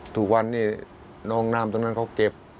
ทุกวันนี้น้องน้ำตรงนั้นเขาเจ็บ